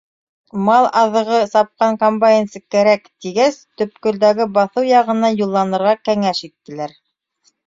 Мал аҙығы сапҡан комбайнсы кәрәк, тигәс, төпкөлдәге баҫыу яғына юлланырға кәңәш иттеләр.